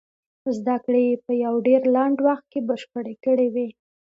زدکړې يې په يو ډېر لنډ وخت کې بشپړې کړې وې.